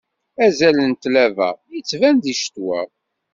Azal n tlaba ittban di ccetwa.